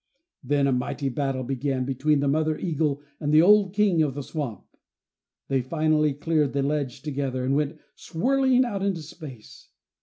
Then a mighty battle began between the mother eagle and the old King of the swamp. They finally cleared the ledge together, and went swirling out into space.